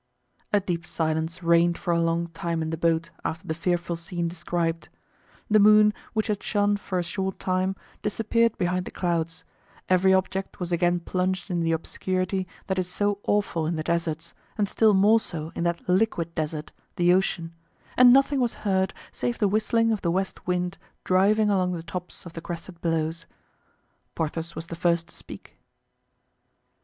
A deep silence reigned for a long time in the boat after the fearful scene described. The moon, which had shone for a short time, disappeared behind the clouds; every object was again plunged in the obscurity that is so awful in the deserts and still more so in that liquid desert, the ocean, and nothing was heard save the whistling of the west wind driving along the tops of the crested billows. Porthos was the first to speak.